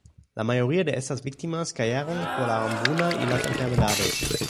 La mayoría de estas víctimas cayeron por la hambruna y las enfermedades.